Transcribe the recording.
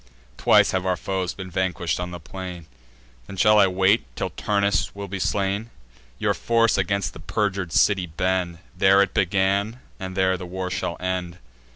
Twice have our foes been vanquish'd on the plain: Then shall I wait till Turnus will be slain? Your force against the perjur'd city bend. There it began, and there the war shall end.